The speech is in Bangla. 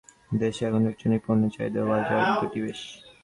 দেশে এখন ইলেকট্রনিক পণ্যের চাহিদা ও বাজার দুটোই বেশ।